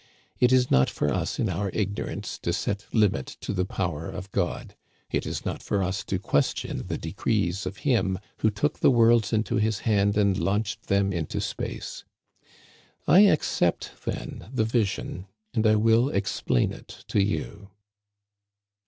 It is not for us in our ignorance to set limit to the power of God. It is not for us to question the decrees of Him who took the worlds into his hand and launched them into space. I accept, then, the vision, and I will explain it to you.